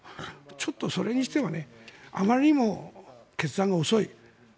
ちょっとそれにしてはあまりにも決断が遅い。